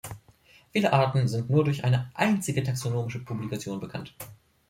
Viele Arten sind nur durch eine einzige taxonomische Publikation bekannt.